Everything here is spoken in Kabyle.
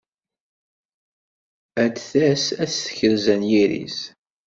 Ad d-tas ad tekrez anyir-is.